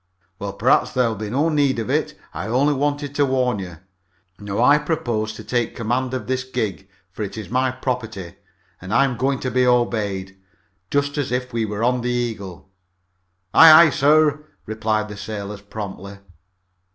"Well, perhaps there'll be no need for it. I only wanted to warn you. Now I propose to take command of this gig, for it is my property, and I'm going to be obeyed, just as if we were on the Eagle." "Aye, aye, sir," replied the sailors promptly.